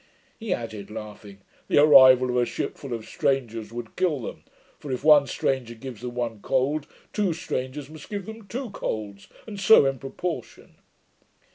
He added, laughing, 'the arrival of a ship full of strangers would kill them; for, if one stranger gives them one cold, two strangers must give them two colds; and so in proportion.'